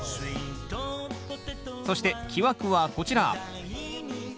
そして木枠はこちら。